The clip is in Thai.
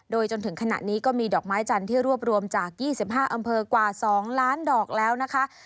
โดยจนถึงขณะนี้ก็มีดอกไม้จันทร์ที่รวบรวมจาก๒๕อำเภอกว่า๒ล้านดอกแล้วนะคะ